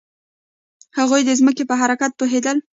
هغوی د ځمکې په حرکت پوهیدل.